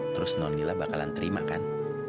terus nonila bakalan terima kan